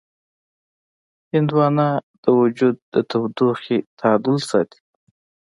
هندوانه د وجود د تودوخې تعادل ساتي.